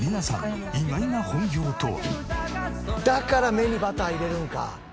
だから目にバター入れるんか。